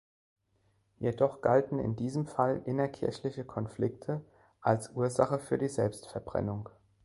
Jedoch galten in diesem Fall innerkirchliche Konflikte als Ursache für die Selbstverbrennung.